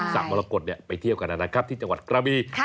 มรกฏไปเที่ยวกันนะครับที่จังหวัดกระบี